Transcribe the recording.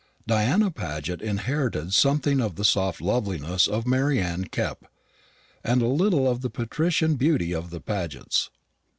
Diana Paget inherited something of the soft loveliness of Mary Anne Kepp, and a little of the patrician beauty of the Pagets.